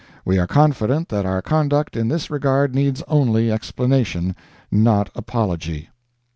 We are confident that our conduct in this regard needs only explanation, not apology.